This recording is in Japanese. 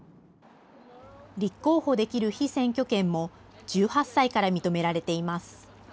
立候補できる被選挙権も、１８歳から認められています。